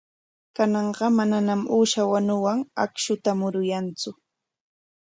Kananqa manañam uusha wanuwan akshuta muruyantsu.